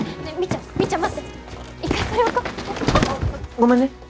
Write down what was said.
ごめんね。